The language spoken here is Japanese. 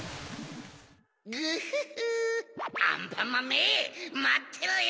グフフアンパンマンめまってろよ！